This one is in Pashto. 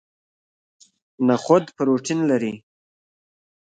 نخود پروتین لري